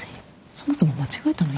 そもそも間違えたのは。